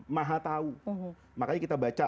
mahatau makanya kita baca